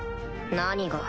何が。